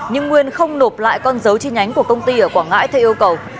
nhưng nguyên không nộp lại con dấu trình ánh của công ty ở quảng ngãi theo yêu cầu